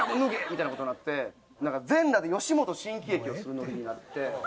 みたいな事になって全裸で吉本新喜劇をするノリになって。